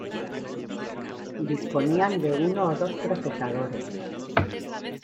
Disponían de uno o dos procesadores.